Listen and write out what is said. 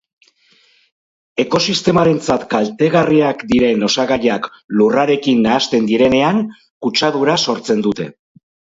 Ekosistemarentzat kaltegarriak diren osagaiak lurrarekin nahasten direnean, kutsadura sortzen dute.